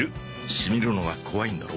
しみるのが怖いんだろ？